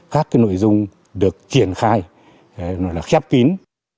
các nội dung được triển khai khép tín